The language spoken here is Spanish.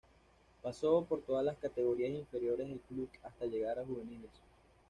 Pasó por todas las categorías inferiores del club hasta llegar a juveniles.